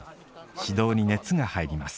指導に熱が入ります。